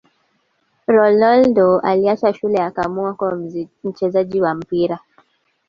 Ronaldo aliacha shule akaamua kuwa mchezaji wa mpira